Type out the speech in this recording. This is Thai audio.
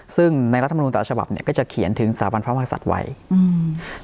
ซึ่งในรัฐมนุนแต่ละฉบับเนี้ยก็จะเขียนถึงสถาบันพระมหาศัตริย์ไว้อืม